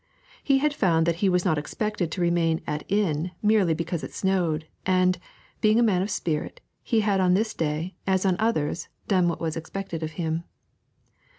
He had found that he was not expected to remain at an inn merely because it snowed, and, being a man of spirit, he had on this day, as on others, done what was expected of him.